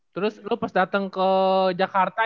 terus lo pas datang ke jakarta